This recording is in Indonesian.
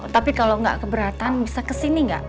tapi kalau enggak keberatan bisa ke sini enggak